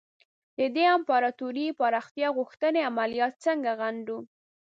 د دې امپراطوري پراختیا غوښتنې عملیات ځکه غندو.